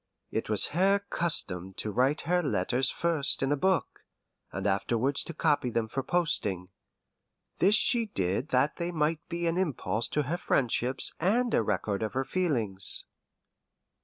It was her custom to write her letters first in a book, and afterwards to copy them for posting. This she did that they might be an impulse to her friendships and a record of her feelings.